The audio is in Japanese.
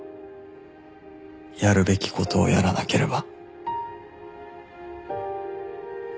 やるべき事をやらなければ